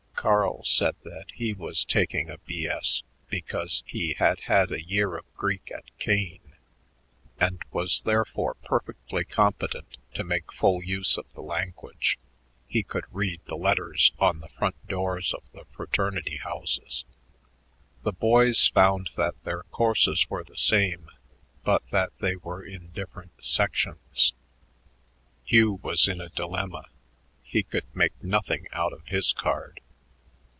Carl said that he was taking a B.S. because he had had a year of Greek at Kane and was therefore perfectly competent to make full use of the language; he could read the letters on the front doors of the fraternity houses. The boys found that their courses were the same but that they were in different sections. Hugh was in a dilemma; he could make nothing out of his card.